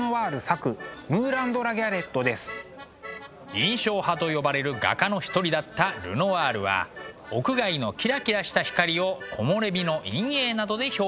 印象派と呼ばれる画家の一人だったルノワールは屋外のキラキラした光を木漏れ日の陰影などで表現しました。